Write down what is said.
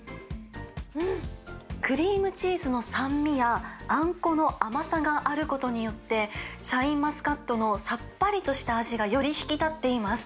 うん、クリームチーズの酸味や、あんこの甘さがあることによって、シャインマスカットのさっぱりとした味が、より引き立っています。